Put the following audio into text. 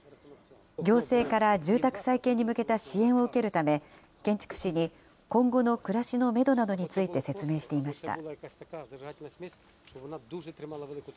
行政から住宅再建に向けた支援を受けるため、建築士に今後の暮らしのメドなどについて説明していました。